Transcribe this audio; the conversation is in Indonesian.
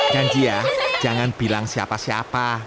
janji ya jangan bilang siapa siapa